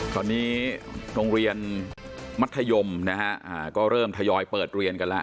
ตอนนี้โรงเรียนมัธยมนะฮะก็เริ่มทยอยเปิดเรียนกันแล้ว